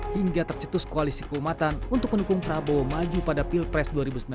hingga tercetus koalisi keumatan untuk mendukung prabowo maju pada pilpres dua ribu sembilan belas